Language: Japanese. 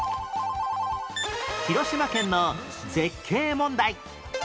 広島県の絶景問題